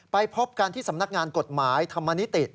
พบกันที่สำนักงานกฎหมายธรรมนิติ